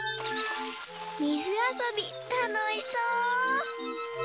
みずあそびたのしそう！